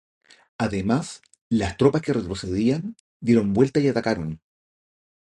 Además, las tropas que retrocedían dieron vuelta y atacaron.